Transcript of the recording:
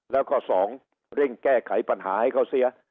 แล้วก็๒เร่งแก้ไขปัญหาให้เขาเสีย